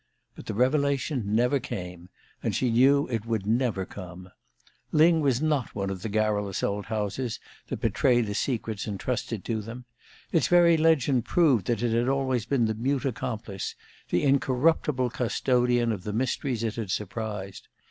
But the revelation never came, and she knew it would never come. Lyng was not one of the garrulous old houses that betray the secrets intrusted to them. Its very legend proved that it had always been the mute accomplice, the incorruptible custodian of the mysteries it had surprised.